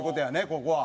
ここは。